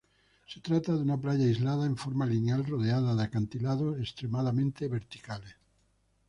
Se trata de una playa aislada en forma lineal, rodeada de acantilados extremadamente verticales.